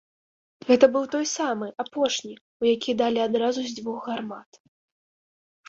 Гэта быў той самы, апошні, у які далі адразу з дзвюх гармат.